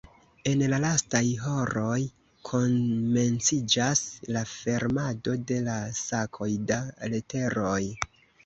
En la lastaj horoj komenciĝas la fermado de la sakoj da leteroj.